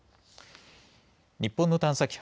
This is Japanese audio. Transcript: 日本の探査機